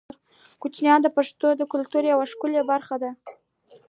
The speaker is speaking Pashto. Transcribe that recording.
کوچیان د پښتنو د کلتور یوه ښکلې برخه ده.